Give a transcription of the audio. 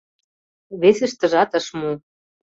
Весыштыжат ыш му.